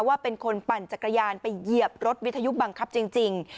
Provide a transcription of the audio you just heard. ว่าเป็นคนปั่นจักรยานไปเหยียบรถวิทยุบังคับจริง